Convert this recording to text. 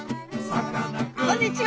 こんにちは！